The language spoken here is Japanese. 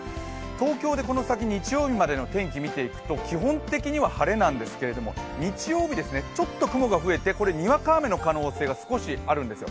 東京でこの先日曜日までの天気、見ていきますと基本的には晴れなんですけど、日曜日、ちょっと雲が増えてこれ、にわか雨の可能性が少しあるんですよ。